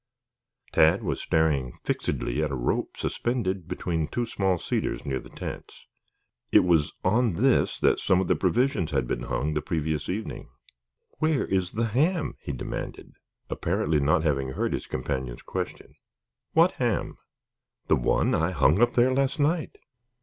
Tad was staring fixedly at a rope suspended between two small cedars near the tents. It was on this that some of the provisions had been hung the previous evening. "Where is that ham?" he demanded, apparently not having heard his companion's question. "What ham?" "The one I hung up there last night?"